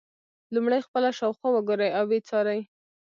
لومړی خپله شاوخوا وګورئ او ویې څارئ.